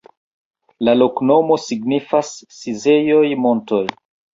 La loknomo signifas: rizejoj-montoj.